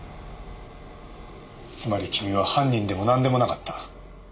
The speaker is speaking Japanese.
つまり君は犯人でもなんでもなかった。